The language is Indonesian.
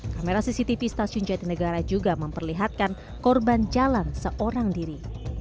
kamera cctv stasiun jatinegara juga memperlihatkan korban jalan seorang diri